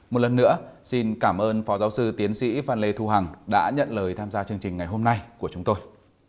một lần nữa xin cảm ơn phó giáo sư tiến sĩ phan lê thu hằng đã nhận lời tham gia chương trình ngày hôm nay của chúng tôi